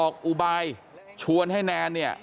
กลับไปลองกลับ